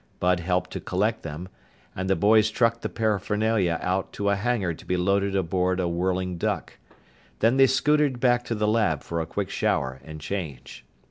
Bud helped to collect them, and the boys trucked the paraphernalia out to a hangar to be loaded aboard a Whirling Duck. Then they scootered back to the lab for a quick shower and change.